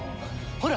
ほら